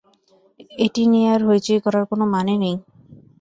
এটি নিয়ে আর হৈচৈ করার কোনো মানে নেই।